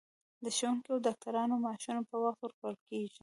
د ښوونکو او ډاکټرانو معاشونه په وخت ورکول کیږي.